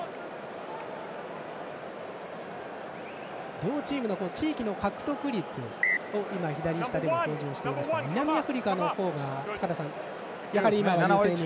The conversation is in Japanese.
両チームの地域の獲得率を表示していましたが南アフリカの方が、やはり優勢に。